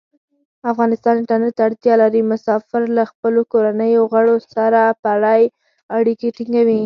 افغانستان انټرنیټ ته اړتیا لري. مسافر له خپلو کورنیو غړو سره پری اړیکې ټینګوی.